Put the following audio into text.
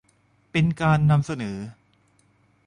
เป็นการนำเสนอ